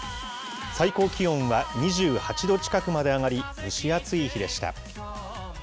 最高気温は２８度近くまで上がり、蒸し暑い日でした。